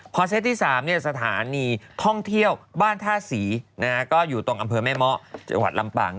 พอเซตที่๓สถานีท่องเที่ยวบ้านท่าศรีก็อยู่ตรงอำเภอแม่เมาะจังหวัดลำปาง